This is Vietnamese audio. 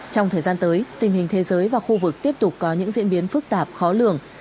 trong thời gian tới tình hình thế giới và khu vực tiếp tục có những diễn biến phức tạp khó lường